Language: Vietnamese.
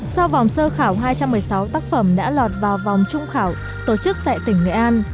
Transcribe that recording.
sau vòng sơ khảo hai trăm một mươi sáu tác phẩm đã lọt vào vòng trung khảo tổ chức tại tỉnh nghệ an